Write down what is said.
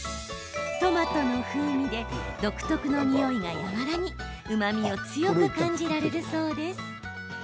トマトの風味で独特のにおいが和らぎうまみを強く感じられるそうです。